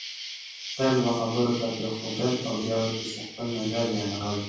تل بل خبرو ته پرېښودل او بیا ورپسې خپل نظر بیانول